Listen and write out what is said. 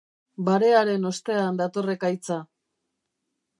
Barearen ostean dator ekaitza.